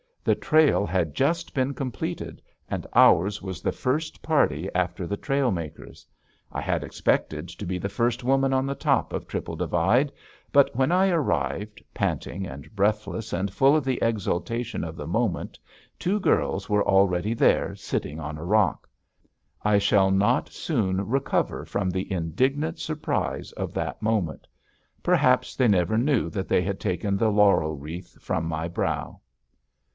The trail had just been completed, and ours was the first party after the trail makers. I had expected to be the first woman on the top of Triple Divide. But when I arrived, panting and breathless and full of the exaltation of the moment, two girls were already there sitting on a rock. I shall not soon recover from the indignant surprise of that moment. Perhaps they never knew that they had taken the laurel wreath from my brow.